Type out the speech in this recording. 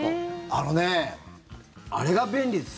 あのねあれが便利です。